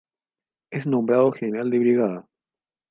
Es nombrado General de Brigada.